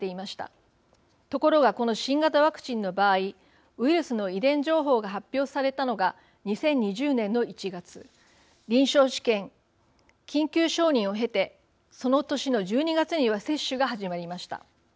ところがこの新型ワクチンの場合ウイルスの遺伝情報が発表されたのが２０２０年の１月臨床試験緊急承認を経てその年の１２月には接種が始まりました。